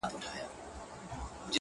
• زه چي الله څخه ښكلا په سجده كي غواړم ـ